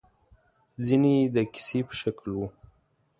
ځينې يې د کيسې په شکل وو.